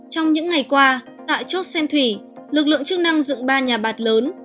trong những ngày qua tại chốt sen thủy lực lượng chức năng dựng ba nhà bạc lớn